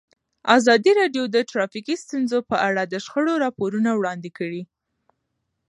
ازادي راډیو د ټرافیکي ستونزې په اړه د شخړو راپورونه وړاندې کړي.